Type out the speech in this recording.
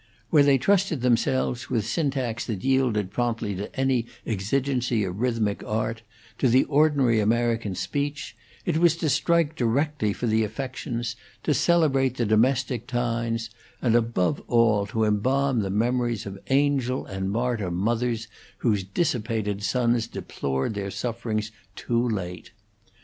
Where they trusted themselves, with syntax that yielded promptly to any exigency of rhythmic art, to the ordinary American speech, it was to strike directly for the affections, to celebrate the domestic ties, and, above all, to embalm the memories of angel and martyr mothers whose dissipated sons deplored their sufferings too late.